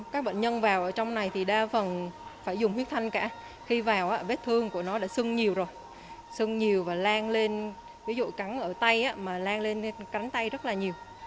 các bệnh nhân vào trong này thì đa phần phải dùng huyết thanh cả khi vào vết thương của nó đã sưng nhiều rồi sưng nhiều và lan lên ví dụ cắn ở tay mà lan lên cánh tay rất là nhiều